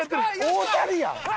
大谷やん！